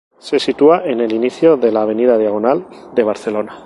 Se sitúa en el inicio de la avenida Diagonal de Barcelona.